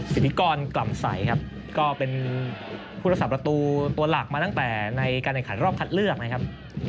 สิทธิกรกล่ำใสครับก็เป็นผู้รักษาประตูตัวหลักมาตั้งแต่ในการแข่งขันรอบคัดเลือกนะครับ